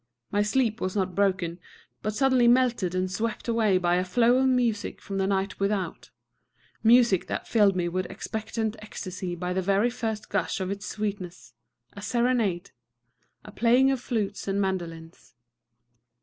My sleep was not broken, but suddenly melted and swept away by a flow of music from the night without, music that filled me with expectant ecstasy by the very first gush of its sweetness: a serenade, a playing of flutes and mandolines.